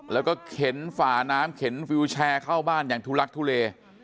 แล้วก็เข็นฝ่าน้ำเข็นวิวแชร์เข้าบ้านอย่างทุลักทุเล